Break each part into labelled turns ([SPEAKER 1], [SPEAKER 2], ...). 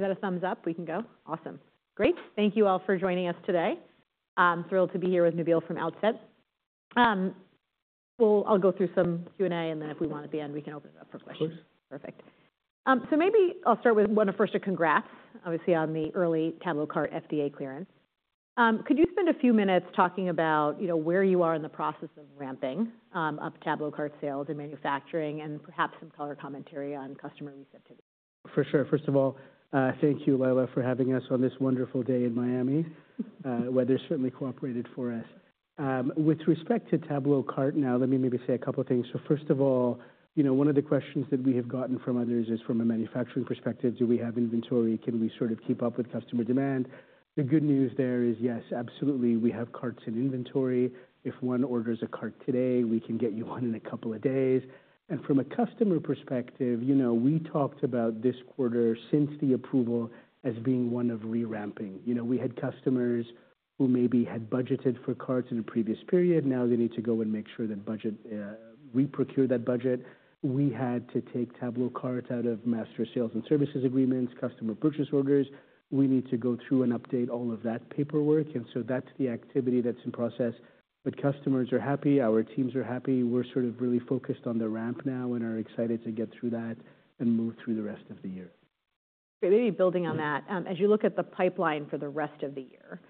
[SPEAKER 1] Is that a thumbs up? We can go. Awesome. Great. Thank you all for joining us today. I'm thrilled to be here with Nabeel from Outset. We'll go through some Q&A, and then if we want to end, we can open it up for questions.
[SPEAKER 2] Of course.
[SPEAKER 1] Perfect. So maybe I'll start with one of first to congrats, obviously, on the early TabloCart FDA clearance. Could you spend a few minutes talking about, you know, where you are in the process of ramping up TabloCart sales and manufacturing, and perhaps some color commentary on customer recent activities?
[SPEAKER 2] For sure. First of all, thank you, Lila, for having us on this wonderful day in Miami. Weather certainly cooperated for us. With respect to TabloCart, now, let me maybe say a couple things. So first of all, you know, one of the questions that we have gotten from others is, from a manufacturing perspective, do we have inventory? Can we sort of keep up with customer demand? The good news there is, yes, absolutely, we have carts in inventory. If one orders a cart today, we can get you one in a couple of days. And from a customer perspective, you know, we talked about this quarter since the approval as being one of re-ramping. You know, we had customers who maybe had budgeted for carts in a previous period. Now they need to go and make sure that budget, reprocure that budget. We had to take TabloCart out of master sales and services agreements, customer purchase orders. We need to go through and update all of that paperwork, and so that's the activity that's in process. But customers are happy, our teams are happy. We're sort of really focused on the ramp now and are excited to get through that and move through the rest of the year.
[SPEAKER 1] Maybe building on that, as you look at the pipeline for the rest of the year,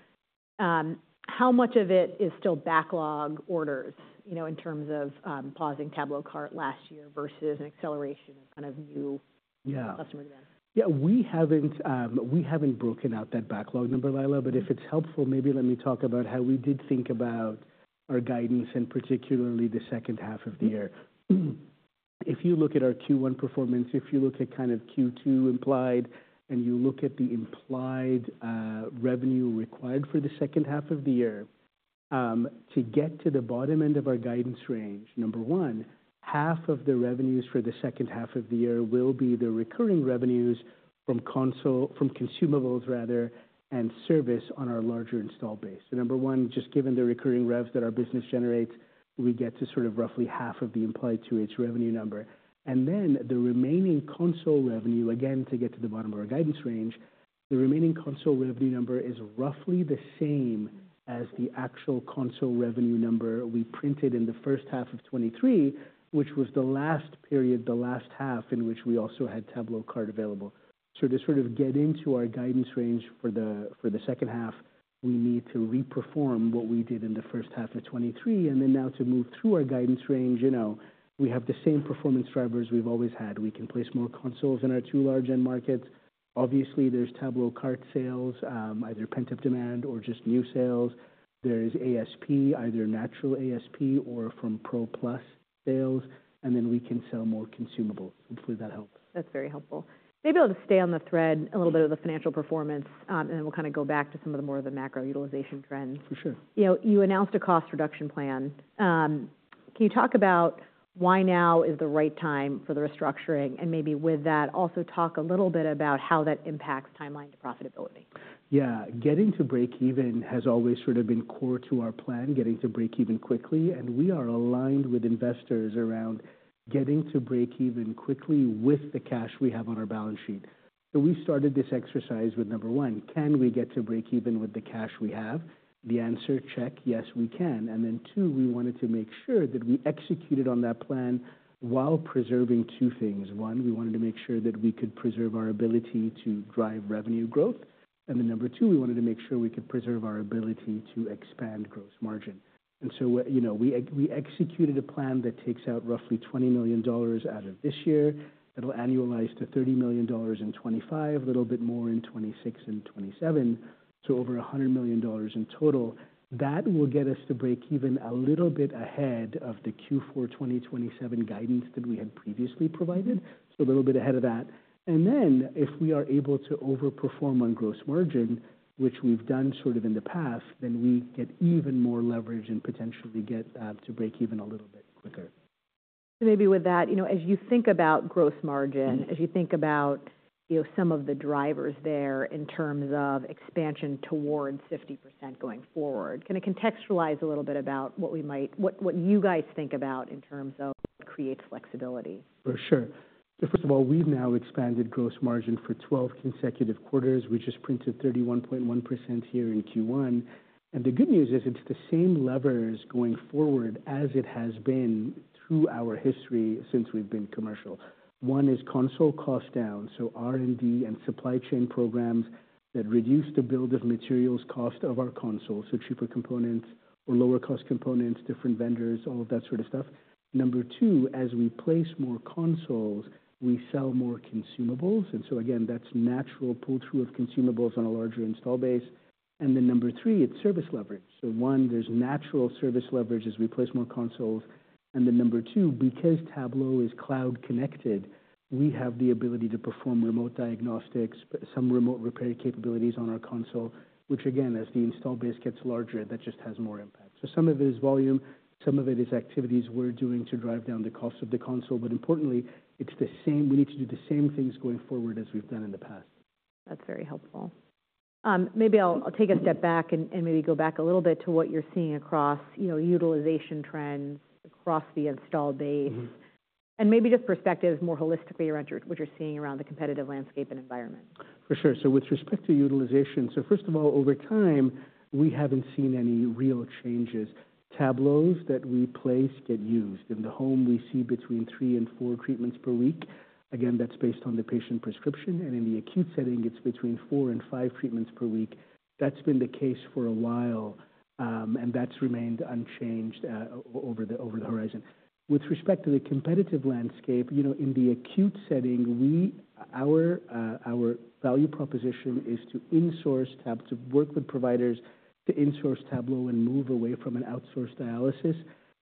[SPEAKER 1] how much of it is still backlog orders, you know, in terms of, pausing TabloCart last year versus an acceleration of kind of new-
[SPEAKER 2] Yeah
[SPEAKER 1] -customer demand?
[SPEAKER 2] Yeah, we haven't broken out that backlog number, Lila. But if it's helpful, maybe let me talk about how we did think about our guidance and particularly the second half of the year. If you look at our Q1 performance, if you look at kind of Q2 implied, and you look at the implied revenue required for the second half of the year to get to the bottom end of our guidance range, number one, half of the revenues for the second half of the year will be the recurring revenues from consumables rather, and service on our larger install base. So number one, just given the recurring rev that our business generates, we get to sort of roughly half of the implied H2 revenue number. And then the remaining console revenue, again, to get to the bottom of our guidance range, the remaining console revenue number is roughly the same as the actual console revenue number we printed in the first half of 2023, which was the last period, the last half, in which we also had TabloCart available. So to sort of get into our guidance range for the, for the second half, we need to re-perform what we did in the first half of 2023, and then now to move through our guidance range, you know, we have the same performance drivers we've always had. We can place more consoles in our two large-end markets. Obviously, there's TabloCart sales, either pent-up demand or just new sales. There is ASP, either natural ASP or from PRO+ sales, and then we can sell more consumables. Hopefully, that helps.
[SPEAKER 1] That's very helpful. Maybe I'll just stay on the thread a little bit of the financial performance, and then we'll kind of go back to some of the more of the macro utilization trends.
[SPEAKER 2] For sure.
[SPEAKER 1] You know, you announced a cost reduction plan. Can you talk about why now is the right time for the restructuring, and maybe with that, also talk a little bit about how that impacts timeline to profitability?
[SPEAKER 2] Yeah. Getting to break even has always sort of been core to our plan, getting to break even quickly, and we are aligned with investors around getting to break even quickly with the cash we have on our balance sheet. So we started this exercise with, 1, can we get to break even with the cash we have? The answer, check, yes, we can. And then 2, we wanted to make sure that we executed on that plan while preserving two things. One, we wanted to make sure that we could preserve our ability to drive revenue growth. And then number two, we wanted to make sure we could preserve our ability to expand gross margin. And so, you know, we executed a plan that takes out roughly $20 million out of this year. It'll annualize to $30 million in 2025, a little bit more in 2026 and 2027, so over $100 million in total. That will get us to break even a little bit ahead of the Q4 2027 guidance that we had previously provided, so a little bit ahead of that. Then, if we are able to overperform on gross margin, which we've done sort of in the past, then we get even more leverage and potentially get to break even a little bit quicker.
[SPEAKER 1] Maybe with that, you know, as you think about gross margin as you think about, you know, some of the drivers there in terms of expansion towards 50% going forward, can you contextualize a little bit about what we might, what you guys think about in terms of what creates flexibility?
[SPEAKER 2] For sure. So first of all, we've now expanded gross margin for 12 consecutive quarters, which is printed 31.1% here in Q1. And the good news is, it's the same levers going forward as it has been through our history since we've been commercial. One is console cost down, so R&D and supply chain programs that reduce the bill of materials cost of our console, so cheaper components or lower-cost components, different vendors, all of that sort of stuff. Number two, as we place more consoles, we sell more consumables, and so again, that's natural pull-through of consumables on a larger install base. And then number three, it's service leverage. So one, there's natural service leverage as we place more consoles. And then number two, because Tablo is cloud connected, we have the ability to perform remote diagnostics, but some remote repair capabilities on our console, which again, as the install base gets larger, that just has more impact. So some of it is volume, some of it is activities we're doing to drive down the cost of the console. But importantly, it's the same. We need to do the same things going forward as we've done in the past.
[SPEAKER 1] That's very helpful. Maybe I'll take a step back and maybe go back a little bit to what you're seeing across, you know, utilization trends across the installed base. Maybe just perspective more holistically around what you're seeing around the competitive landscape and environment.
[SPEAKER 2] For sure. So with respect to utilization, so first of all, over time, we haven't seen any real changes. Tablos that we place get used. In the home, we see between three and four treatments per week. Again, that's based on the patient prescription, and in the acute setting, it's between four and five treatments per week. That's been the case for a while, and that's remained unchanged over the horizon. With respect to the competitive landscape, you know, in the acute setting, our value proposition is to insource Tablo, to work with providers to insource Tablo and move away from an outsourced dialysis.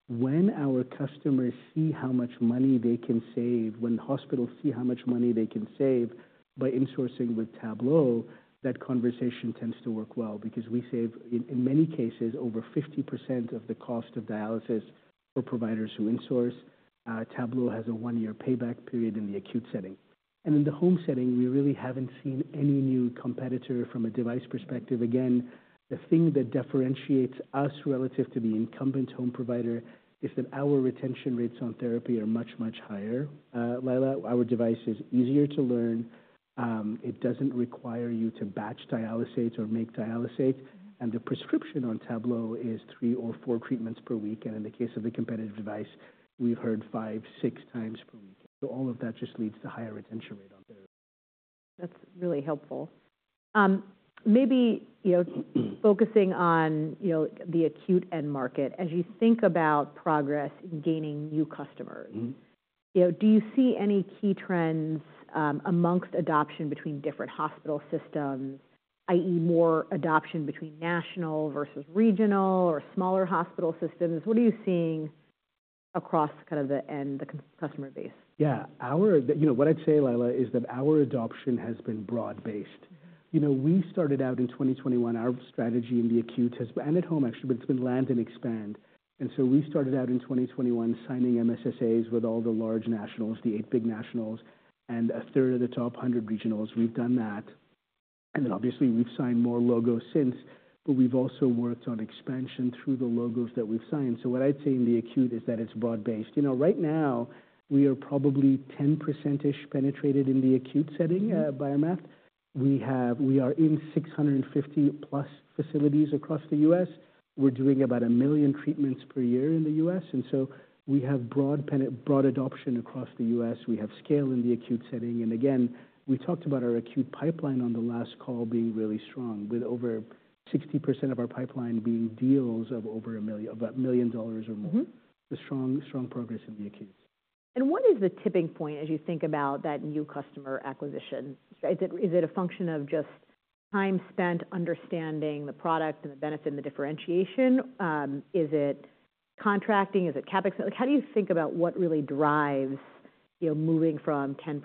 [SPEAKER 2] When our customers see how much money they can save, when hospitals see how much money they can save by insourcing with Tablo, that conversation tends to work well, because we save, in, in many cases, over 50% of the cost of dialysis for providers who insource. Tablo has a one-year payback period in the acute setting. In the home setting, we really haven't seen any new competitor from a device perspective. Again, the thing that differentiates us relative to the incumbent home provider is that our retention rates on therapy are much, much higher, Lila. Our device is easier to learn, it doesn't require you to batch dialysates or make dialysate, and the prescription on Tablo is three or four treatments per week, and in the case of the competitive device, we've heard five, six times per week. All of that just leads to higher retention rate on therapy.
[SPEAKER 1] That's really helpful. Maybe, you know, focusing on, you know, the acute end market. As you think about progress in gaining new customers, you know, do you see any key trends among adoption between different hospital systems, i.e., more adoption between national versus regional or smaller hospital systems? What are you seeing across kind of the end customer base?
[SPEAKER 2] Yeah. Our- you know, what I'd say, Lila, is that our adoption has been broad-based. You know, we started out in 2021, our strategy in the acute has and at home, actually, but it's been land and expand. So we started out in 2021 signing MSSAs with all the large nationals, the eight big nationals, and a third of the top 100 regionals. We've done that, and obviously, we've signed more logos since, but we've also worked on expansion through the logos that we've signed. So what I'd say in the acute is that it's broad-based. You know, right now, we are probably 10%-ish penetrated in the acute setting, by math. We have, we are in 650+ facilities across the U.S. We're doing about 1 million treatments per year in the U.S, and so we have broad adoption across the U.S. We have scale in the acute setting, and again, we talked about our acute pipeline on the last call being really strong, with over 60% of our pipeline being deals of over $1 million, about $1 million or more.
[SPEAKER 1] Mm-hmm.
[SPEAKER 2] The strong, strong progress in the acute.
[SPEAKER 1] What is the tipping point as you think about that new customer acquisition? Is it, is it a function of just time spent understanding the product and the benefit and the differentiation? Is it contracting? Is it CapEx? Like, how do you think about what really drives, you know, moving from 10%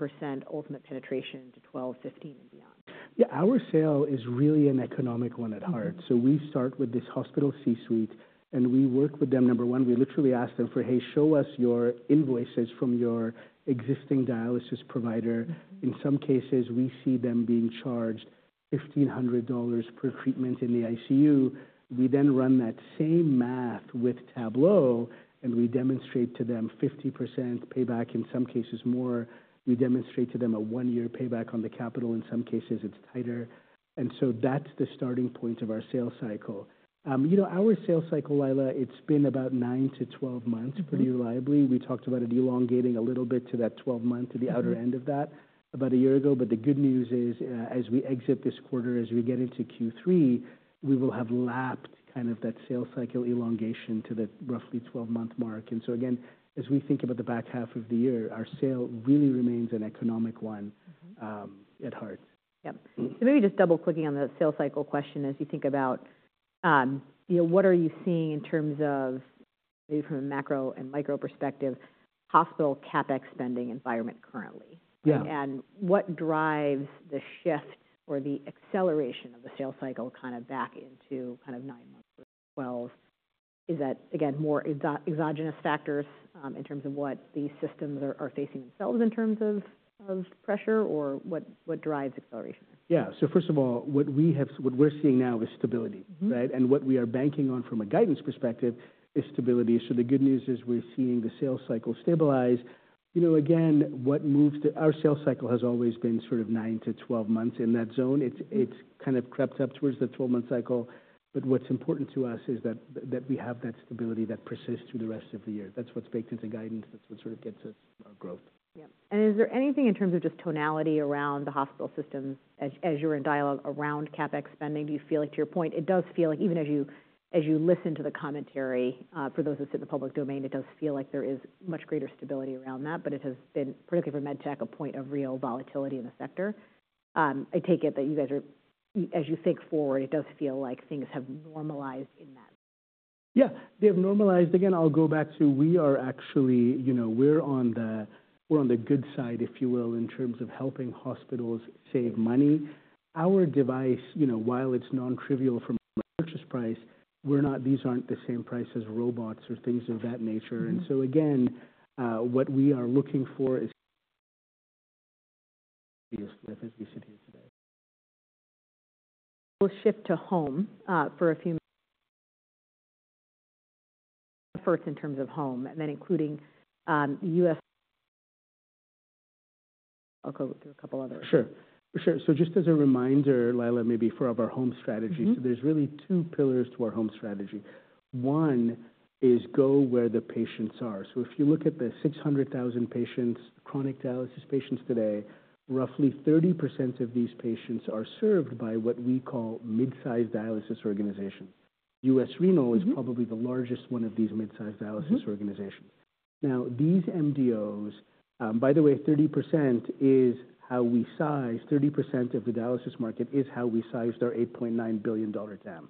[SPEAKER 1] ultimate penetration to 12, 15, and beyond?
[SPEAKER 2] Yeah, our sale is really an economic one at heart. So we start with this hospital C-suite, and we work with them. Number one, we literally ask them for, "Hey, show us your invoices from your existing dialysis provider. In some cases, we see them being charged $1,500 per treatment in the ICU. We then run that same math with Tablo, and we demonstrate to them 50% payback, in some cases more. We demonstrate to them a 1-year payback on the capital. In some cases, it's tighter. And so that's the starting point of our sales cycle. You know, our sales cycle, Lila, it's been about 9-12 months pretty reliably. We talked about it elongating a little bit to that 12 months, to the outer end of that, about a year ago. But the good news is, as we exit this quarter, as we get into Q3, we will have lapped kind of that sales cycle elongation to the roughly 12-month mark. And so again, as we think about the back half of the year, our sale really remains an economic one at heart.
[SPEAKER 1] Yep. So maybe just double-clicking on the sales cycle question. As you think about, you know, what are you seeing in terms of, maybe from a macro and micro perspective, hospital CapEx spending environment currently?
[SPEAKER 2] Yeah.
[SPEAKER 1] What drives the shift or the acceleration of the sales cycle kind of back into kind of 9 months or 12s? Is that, again, more exogenous factors in terms of what these systems are facing themselves in terms of pressure, or what drives acceleration?
[SPEAKER 2] Yeah. So first of all, what we're seeing now is stability.
[SPEAKER 1] Mm-hmm.
[SPEAKER 2] Right? And what we are banking on from a guidance perspective is stability. So the good news is we're seeing the sales cycle stabilize. You know, again, what moves the, our sales cycle has always been sort of 9-12 months, in that zone. It's kind of crept up towards the 12-month cycle, but what's important to us is that we have that stability that persists through the rest of the year. That's what's baked into guidance. That's what sort of gets us our growth.
[SPEAKER 1] Yeah. And is there anything in terms of just tonality around the hospital systems as you're in dialogue around CapEx spending? Do you feel like, to your point, it does feel like even as you listen to the commentary for those that sit in the public domain, it does feel like there is much greater stability around that, but it has been, particularly for med tech, a point of real volatility in the sector. I take it that you guys are as you think forward, it does feel like things have normalized in that?
[SPEAKER 2] Yeah, they've normalized. Again, I'll go back to we are actually, you know, we're on the, we're on the good side, if you will, in terms of helping hospitals save money. Our device, you know, while it's non-trivial from a purchase price, we're not, these aren't the same price as robots or things of that nature.
[SPEAKER 1] Mm-hmm.
[SPEAKER 2] And so again, what we are looking for is...
[SPEAKER 1] We'll shift to home. First in terms of home, and then including U.S. I'll go through a couple other.
[SPEAKER 2] Sure. Sure. So just as a reminder, Lila, maybe for of our home strategy-
[SPEAKER 1] Mm-hmm.
[SPEAKER 2] So there's really two pillars to our home strategy. One is go where the patients are. So if you look at the 600,000 patients, chronic dialysis patients today, roughly 30% of these patients are served by what we call mid-sized dialysis organizations.
[SPEAKER 1] Mm-hmm.
[SPEAKER 2] U.S. Renal Care is probably the largest one of these mid-sized dialysis organizations. Now, these MDOs, by the way, 30% is how we sized - 30% of the dialysis market is how we sized our $8.9 billion TAM.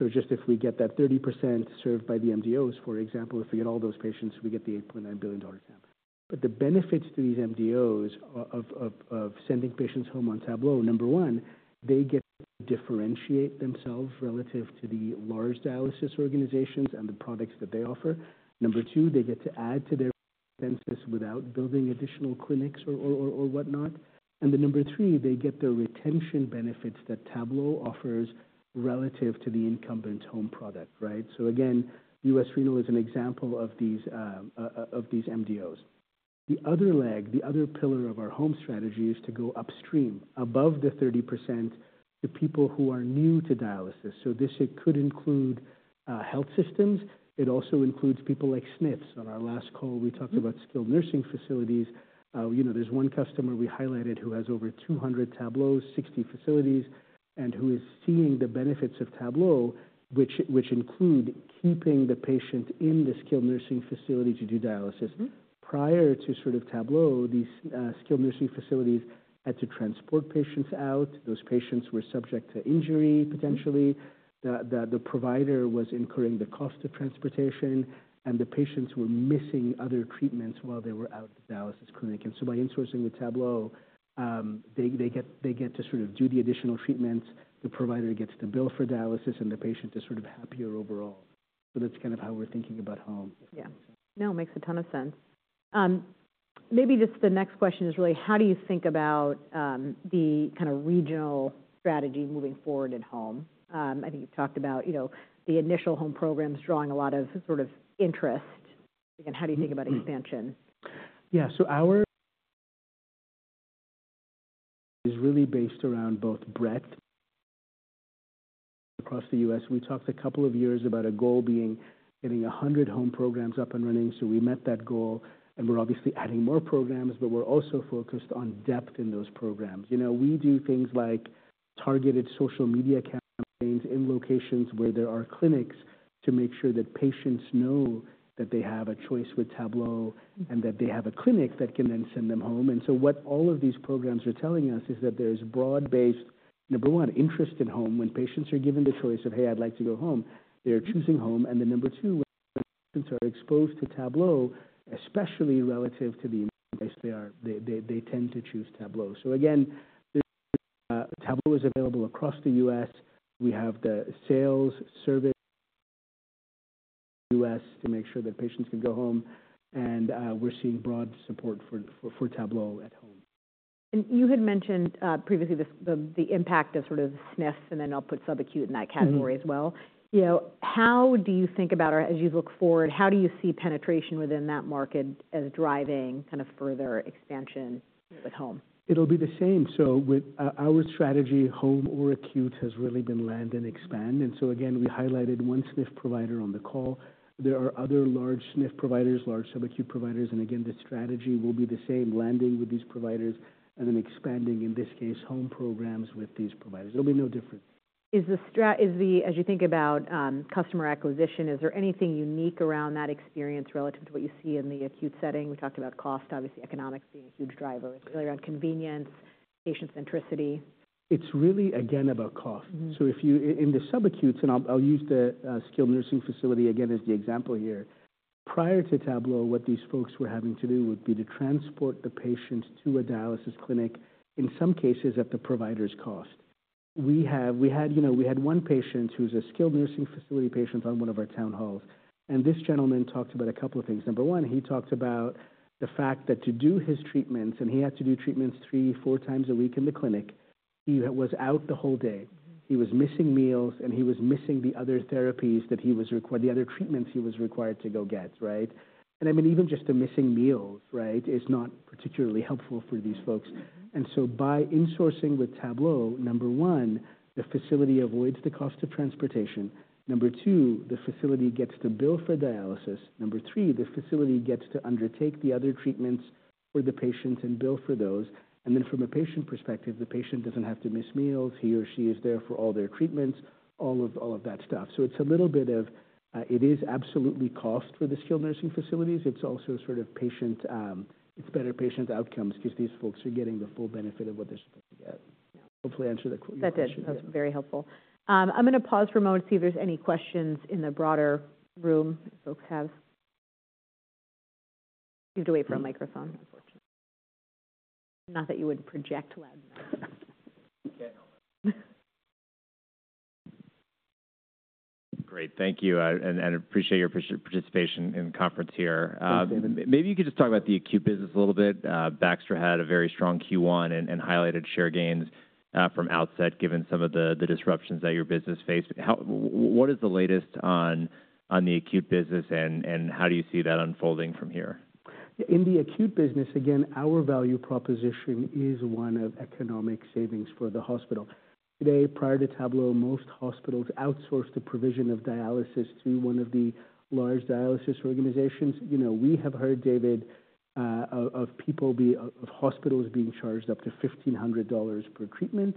[SPEAKER 2] So just if we get that 30% served by the MDOs, for example, if we get all those patients, we get the $8.9 billion TAM. But the benefits to these MDOs of sending patients home on Tablo, number one, they get to differentiate themselves relative to the large dialysis organizations and the products that they offer. Number two, they get to add to their census without building additional clinics or whatnot. And then number three, they get the retention benefits that Tablo offers relative to the incumbent home product, right? So again, U.S. Renal is an example of these of these MDOs. The other leg, the other pillar of our home strategy is to go upstream, above the 30%, to people who are new to dialysis. So it could include health systems. It also includes people like SNFs. On our last call, we talked about skilled nursing facilities. You know, there's one customer we highlighted who has over 200 Tablos, 60 facilities, and who is seeing the benefits of Tablo, which include keeping the patient in the skilled nursing facility to do dialysis. Prior to sort of Tablo, these skilled nursing facilities had to transport patients out. Those patients were subject to injury, potentially.
[SPEAKER 1] Mm-hmm.
[SPEAKER 2] The provider was incurring the cost of transportation, and the patients were missing other treatments while they were out at the dialysis clinic. And so by insourcing with Tablo, they get to sort of do the additional treatments, the provider gets to bill for dialysis, and the patient is sort of happier overall. So that's kind of how we're thinking about home.
[SPEAKER 1] Yeah. No, it makes a ton of sense. Maybe just the next question is really, how do you think about the kind of regional strategy moving forward at home? I think you've talked about, you know, the initial home programs drawing a lot of sort of interest. And how do you think about expansion?
[SPEAKER 2] Yeah. So our, is really based around both breadth across the U.S. We talked a couple of years about a goal being getting 100 home programs up and running, so we met that goal, and we're obviously adding more programs, but we're also focused on depth in those programs. You know, we do things like targeted social media campaigns in locations where there are clinics, to make sure that patients know that they have a choice with Tablo, and that they have a clinic that can then send them home. And so what all of these programs are telling us is that there's broad-based, number one, interest in home. When patients are given the choice of, "Hey, I'd like to go home," they are choosing home. Then number two, when patients are exposed to Tablo, especially relative to the in-center, they tend to choose Tablo. So again, Tablo is available across the U.S. We have the sales and service in the U.S. to make sure that patients can go home, and we're seeing broad support for Tablo at home.
[SPEAKER 1] And you had mentioned previously the impact of sort of SNFs, and then I'll put subacute in that category as well, you know, how do you think about, or as you look forward, how do you see penetration within that market as driving kind of further expansion with home?
[SPEAKER 2] It'll be the same. So with our strategy, home or acute, has really been land and expand. And so again, we highlighted one SNF provider on the call. There are other large SNF providers, large subacute providers, and again, the strategy will be the same, landing with these providers and then expanding, in this case, home programs with these providers. It'll be no different.
[SPEAKER 1] As you think about customer acquisition, is there anything unique around that experience relative to what you see in the acute setting? We talked about cost, obviously, economics being a huge driver, clearly around convenience, patient centricity.
[SPEAKER 2] It's really, again, about cost.
[SPEAKER 1] Mm-hmm.
[SPEAKER 2] So if you in the sub-acutes, and I'll, I'll use the skilled nursing facility again as the example here. Prior to Tablo, what these folks were having to do would be to transport the patients to a dialysis clinic, in some cases, at the provider's cost. We have, we had, you know, we had one patient who was a skilled nursing facility patient on one of our town halls, and this gentleman talked about a couple of things. Number one, he talked about the fact that to do his treatments, and he had to do treatments three, four times a week in the clinic, he was out the whole day. He was missing meals, and he was missing the other therapies that he was required, the other treatments he was required to go get, right? And I mean, even just the missing meals, right, is not particularly helpful for these folks.
[SPEAKER 1] Mm-hmm.
[SPEAKER 2] So by insourcing with Tablo, number one, the facility avoids the cost of transportation. Number two, the facility gets to bill for dialysis. Number three, the facility gets to undertake the other treatments for the patient and bill for those. And then from a patient perspective, the patient doesn't have to miss meals. He or she is there for all their treatments, all of, all of that stuff. So it's a little bit of, it is absolutely cost for the skilled nursing facilities. It's also sort of patient, it's better patient outcomes because these folks are getting the full benefit of what they're supposed to get. Hopefully, I answered your question.
[SPEAKER 1] That did. That's very helpful. I'm going to pause for a moment to see if there's any questions in the broader room, if folks have, you have to wait for a microphone, unfortunately. Not that you wouldn't project loud enough. Can't help it.
[SPEAKER 3] Great. Thank you, and appreciate your participation in the conference here.
[SPEAKER 2] Thanks, David.
[SPEAKER 3] Maybe you could just talk about the acute business a little bit. Baxter had a very strong Q1 and highlighted share gains from Outset, given some of the disruptions that your business faced. What is the latest on the acute business, and how do you see that unfolding from here?
[SPEAKER 2] In the acute business, again, our value proposition is one of economic savings for the hospital. Today, prior to Tablo, most hospitals outsource the provision of dialysis to one of the large dialysis organizations. You know, we have heard, David, of hospitals being charged up to $1,500 per treatment,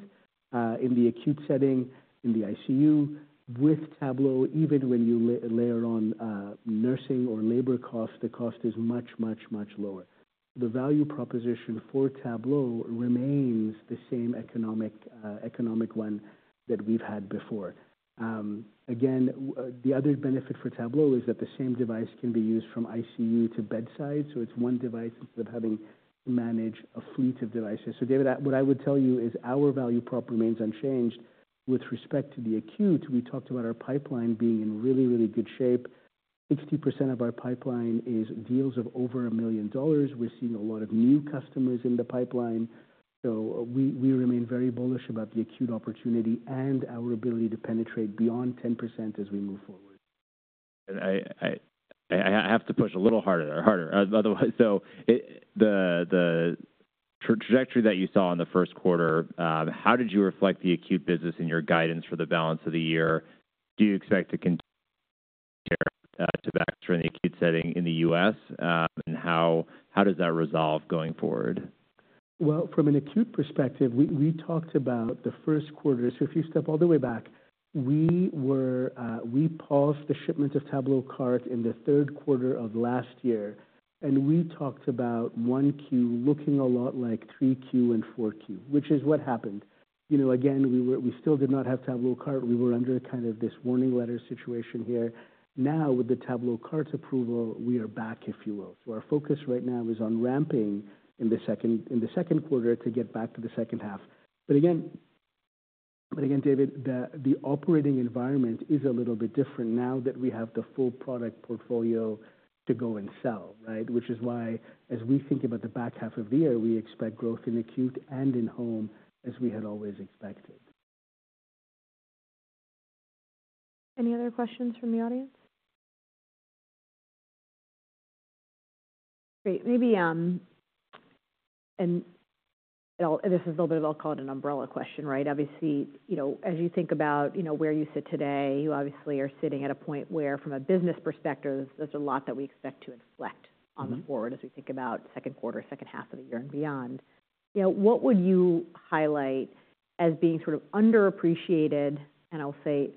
[SPEAKER 2] in the acute setting, in the ICU. With Tablo, even when you layer on, nursing or labor costs, the cost is much, much, much lower. The value proposition for Tablo remains the same economic, economic one that we've had before. Again, the other benefit for Tablo is that the same device can be used from ICU to bedside, so it's one device instead of having to manage a fleet of devices. So David, what I would tell you is our value prop remains unchanged. With respect to the acute, we talked about our pipeline being in really, really good shape. 60% of our pipeline is deals of over $1 million. We're seeing a lot of new customers in the pipeline, so we, we remain very bullish about the acute opportunity and our ability to penetrate beyond 10% as we move forward.
[SPEAKER 3] I have to push a little harder there. Harder. Otherwise, the trajectory that you saw in the first quarter, how did you reflect the acute business in your guidance for the balance of the year? Do you expect to continue to Baxter in the acute setting in the U.S., and how does that resolve going forward?
[SPEAKER 2] Well, from an acute perspective, we, we talked about the first quarter. So if you step all the way back, we were, we paused the shipment of TabloCart in the third quarter of last year, and we talked about 1Q looking a lot like 3Q and 4Q, which is what happened. You know, again, we still did not have TabloCart. We were under kind of this warning letter situation here. Now, with the TabloCart's approval, we are back, if you will. So our focus right now is on ramping in the second, in the second quarter to get back to the second half. But again, but again, David, the operating environment is a little bit different now that we have the full product portfolio to go and sell, right? Which is why, as we think about the back half of the year, we expect growth in acute and in home, as we had always expected.
[SPEAKER 1] Any other questions from the audience? Great. Maybe, this is a little bit, I'll call it an umbrella question, right? Obviously, you know, as you think about, you know, where you sit today, you obviously are sitting at a point where, from a business perspective, there's a lot that we expect to inflect. Looking forward as we think about second quarter, second half of the year and beyond. You know, what would you highlight as being sort of underappreciated, and I'll say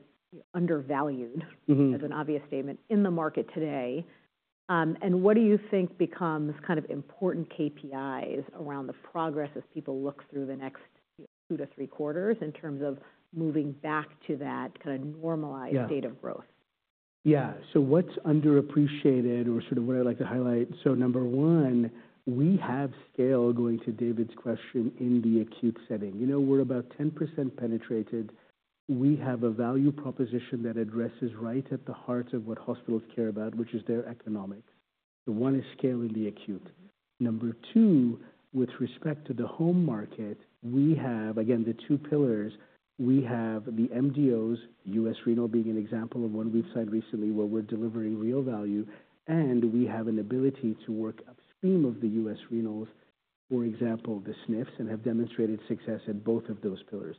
[SPEAKER 1] undervalued-
[SPEAKER 2] Mm-hmm.
[SPEAKER 1] -as an obvious statement, in the market today? And what do you think becomes kind of important KPIs around the progress as people look through the next Two to three quarters in terms of moving back to that kind of normalized-
[SPEAKER 2] Yeah.
[SPEAKER 1] Date of growth?
[SPEAKER 2] Yeah. So what's underappreciated or sort of what I'd like to highlight? So number one, we have scale, going to David's question, in the acute setting. You know, we're about 10% penetrated. We have a value proposition that addresses right at the heart of what hospitals care about, which is their economics. So one is scale in the acute. Number two, with respect to the home market, we have, again, the two pillars. We have the MDOs, U.S. Renal being an example of one we've signed recently, where we're delivering real value, and we have an ability to work upstream of the U.S. Renals, for example, the SNFs, and have demonstrated success in both of those pillars.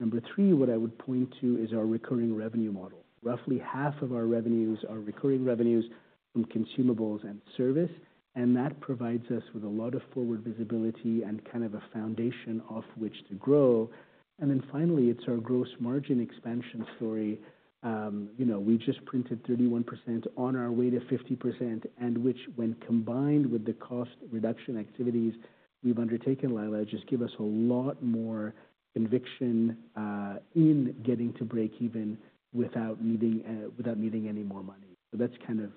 [SPEAKER 2] Number three, what I would point to is our recurring revenue model. Roughly half of our revenues are recurring revenues from consumables and service, and that provides us with a lot of forward visibility and kind of a foundation off which to grow. And then finally, it's our gross margin expansion story. You know, we just printed 31% on our way to 50%, and which, when combined with the cost reduction activities we've undertaken, Lila, just give us a lot more conviction in getting to break even without needing any more money. So that's kind of,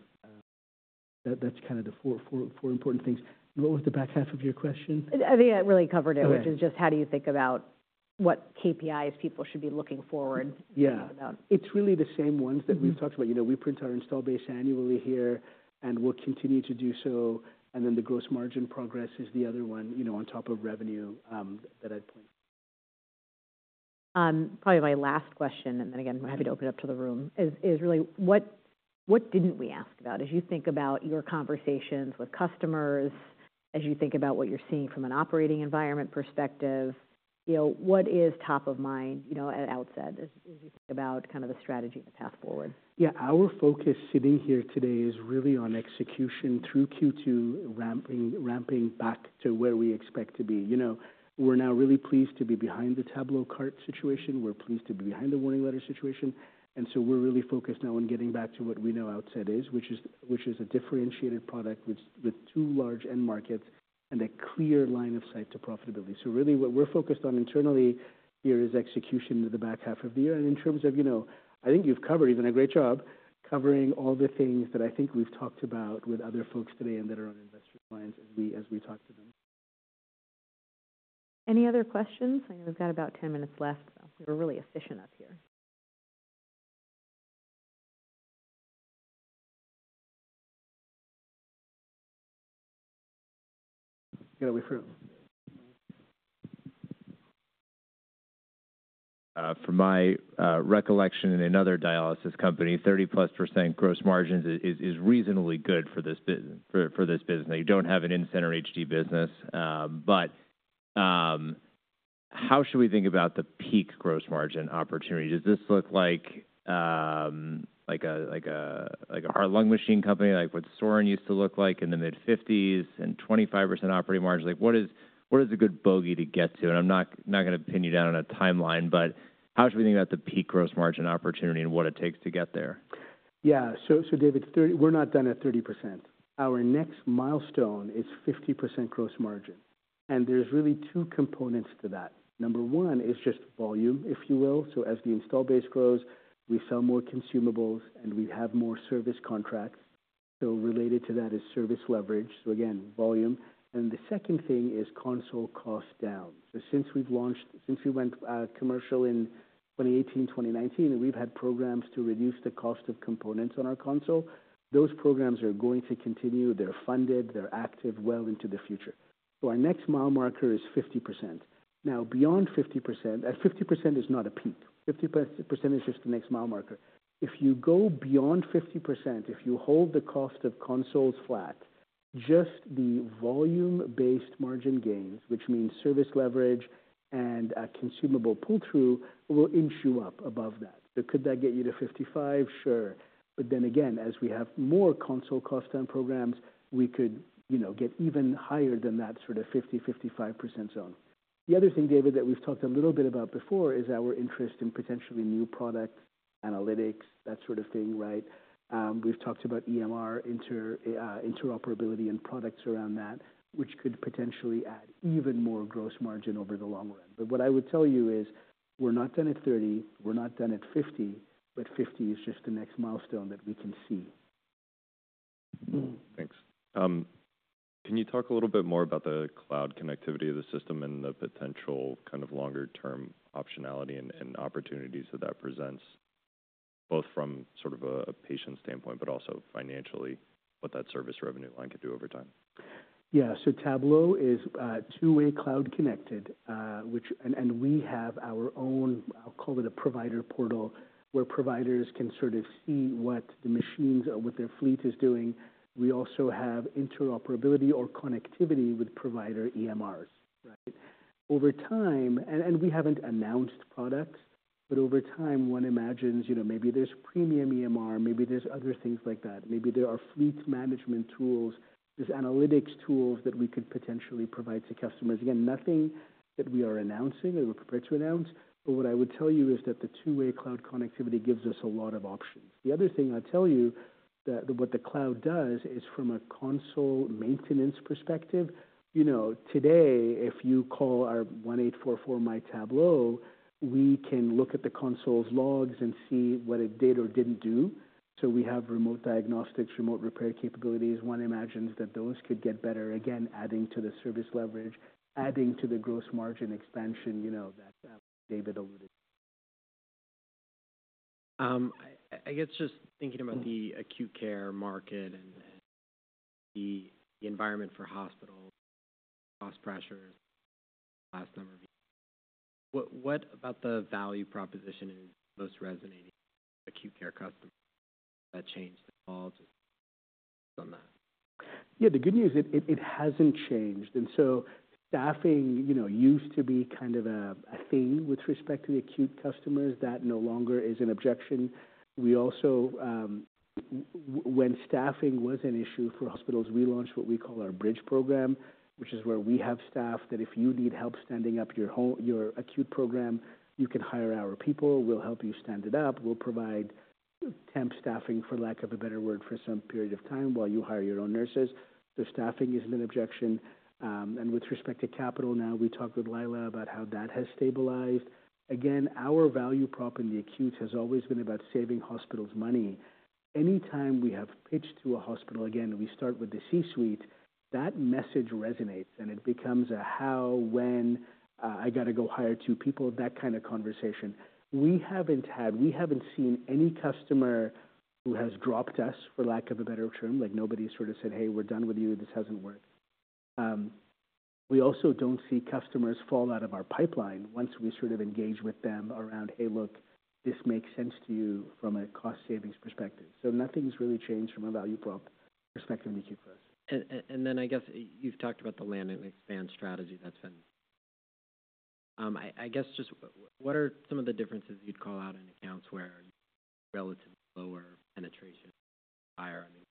[SPEAKER 2] that's kind of the for important things. What was the back half of your question?
[SPEAKER 1] I think that really covered it.
[SPEAKER 2] Okay.
[SPEAKER 1] Which is just how do you think about what KPIs people should be looking forward?
[SPEAKER 2] Yeah. It's really the same ones that we've talked about. You know, we print our install base annually here, and we'll continue to do so. And then the gross margin progress is the other one, you know, on top of revenue, that I think.
[SPEAKER 1] Probably my last question, and then again, I'm happy to open up to the room, is really what didn't we ask about? As you think about your conversations with customers, as you think about what you're seeing from an operating environment perspective, you know, what is top of mind, you know, at Outset, as you think about kind of the strategy and the path forward?
[SPEAKER 2] Yeah. Our focus sitting here today is really on execution through Q2, ramping, ramping back to where we expect to be. You know, we're now really pleased to be behind the TabloCart situation. We're pleased to be behind the warning letter situation, and so we're really focused now on getting back to what we know Outset is, which is, which is a differentiated product with, with two large end markets and a clear line of sight to profitability. So really what we're focused on internally here is execution in the back half of the year. And in terms of, you know, I think you've covered, you've done a great job covering all the things that I think we've talked about with other folks today and that are on investor clients as we, as we talk to them.
[SPEAKER 1] Any other questions? I know we've got about 10 minutes left, so we're really efficient up here.
[SPEAKER 2] Go for it.
[SPEAKER 3] From my recollection in another dialysis company, 30%+ gross margins is reasonably good for this business. Now, you don't have an in-center HD business, but how should we think about the peak gross margin opportunity? Does this look like a heart-lung machine company? Like what Sorin used to look like in the mid-50s and 25% operating margin? Like, what is a good bogey to get to? And I'm not gonna pin you down on a timeline, but how should we think about the peak gross margin opportunity and what it takes to get there?
[SPEAKER 2] Yeah. So, David, we're not done at 30%. Our next milestone is 50% gross margin, and there's really two components to that. Number one is just volume, if you will. So as the install base grows, we sell more consumables, and we have more service contracts. So related to that is service leverage. So again, volume. And the second thing is console cost down. So since we've launched, since we went commercial in 2018, 2019, and we've had programs to reduce the cost of components on our console, those programs are going to continue. They're funded, they're active well into the future. So our next mile marker is 50%. Now, beyond 50% is not a peak. 50% is just the next mile marker. If you go beyond 50%, if you hold the cost of consoles flat, just the volume-based margin gains, which means service leverage and a consumable pull-through, will inch you up above that. So could that get you to 55%? Sure. But then again, as we have more console cost down programs, we could, you know, get even higher than that, sort of 50%-55% zone. The other thing, David, that we've talked a little bit about before is our interest in potentially new products, analytics, that sort of thing, right? We've talked about EMR interoperability and products around that, which could potentially add even more gross margin over the long run. But what I would tell you is we're not done at 30%, we're not done at 50%, but 50% is just the next milestone that we can see.
[SPEAKER 3] Thanks. Can you talk a little bit more about the cloud connectivity of the system and the potential kind of longer-term optionality and, and opportunities that that presents, both from sort of a, a patient standpoint, but also financially, what that service revenue line could do over time?
[SPEAKER 2] Yeah. So Tablo is two-way cloud connected, which and we have our own. I'll call it a provider portal, where providers can sort of see what the machines or what their fleet is doing. We also have interoperability or connectivity with provider EMRs, right? Over time, and we haven't announced products, but over time, one imagines, you know, maybe there's premium EMR, maybe there's other things like that. Maybe there are fleet management tools, there's analytics tools that we could potentially provide to customers. Again, nothing that we are announcing or we're prepared to announce, but what I would tell you is that the two-way cloud connectivity gives us a lot of options. The other thing I'll tell you that, what the cloud does is from a console maintenance perspective, you know, today, if you call our 1-844-MY-TABLO, we can look at the console's logs and see what it did or didn't do. So we have remote diagnostics, remote repair capabilities. One imagines that those could get better, again, adding to the service leverage, adding to the gross margin expansion, you know, that, David, over the...
[SPEAKER 4] I guess just thinking about the acute care market and the environment for hospitals, cost pressure, last number. What about the value proposition in most resonating acute care customers that changed at all on that?
[SPEAKER 2] Yeah, the good news is it hasn't changed, and so staffing, you know, used to be kind of a thing with respect to the acute customers. That no longer is an objection. We also, when staffing was an issue for hospitals, we launched what we call our bridge program, which is where we have staff that if you need help standing up your whole, your acute program, you can hire our people. We'll help you stand it up. We'll provide temp staffing, for lack of a better word, for some period of time while you hire your own nurses. So staffing isn't an objection. And with respect to capital, now, we talked with Lila about how that has stabilized. Again, our value prop in the acute has always been about saving hospitals money. Anytime we have pitched to a hospital, again, we start with the C-suite, that message resonates, and it becomes a how, when, I got to go hire two people, that kind of conversation. We haven't seen any customer who has dropped us, for lack of a better term. Like, nobody sort of said, "Hey, we're done with you. This hasn't worked." We also don't see customers fall out of our pipeline once we sort of engage with them around, "Hey, look, this makes sense to you from a cost-savings perspective." So nothing's really changed from a value prop perspective in Q4.
[SPEAKER 4] And then I guess you've talked about the land and expand strategy that's been. I guess just what are some of the differences you'd call out in accounts where relatively lower penetration, higher? I mean,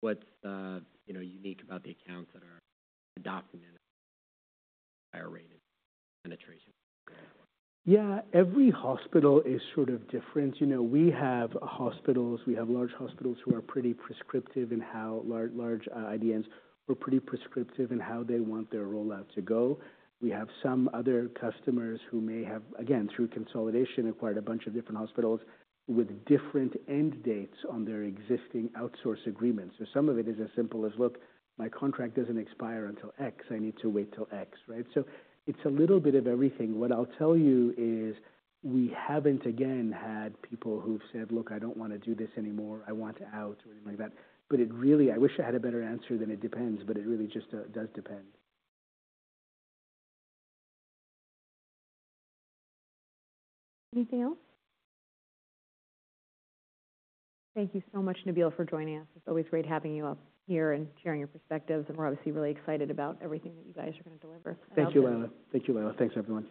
[SPEAKER 4] what's you know, unique about the accounts that are documenting higher rates, penetration?
[SPEAKER 2] Yeah, every hospital is sort of different. You know, we have hospitals, we have large hospitals who are pretty prescriptive in how large, large, IDNs were pretty prescriptive in how they want their rollout to go. We have some other customers who may have, again, through consolidation, acquired a bunch of different hospitals with different end dates on their existing outsource agreements. So some of it is as simple as, "Look, my contract doesn't expire until X. I need to wait till X," right? So it's a little bit of everything. What I'll tell you is we haven't again, had people who've said: "Look, I don't wanna do this anymore. I want out," or anything like that. But it really. I wish I had a better answer than it depends, but it really just, does depend.
[SPEAKER 1] Anything else? Thank you so much, Nabeel, for joining us. It's always great having you up here and sharing your perspectives, and we're obviously really excited about everything that you guys are going to deliver.
[SPEAKER 2] Thank you, Lila. Thank you, Lila. Thanks, everyone.